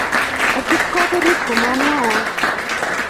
kochut koot orit komamoiwon.